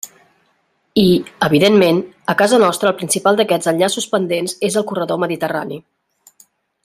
I, evidentment, a casa nostra el principal d'aquests enllaços pendents és el corredor mediterrani.